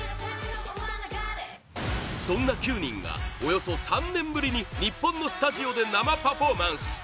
そんな９人がおよそ３年ぶりに日本のスタジオで生パフォーマンス！